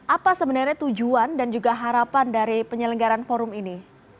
apa sebenarnya tujuan dan juga harapan dari penyelenggaran forum ini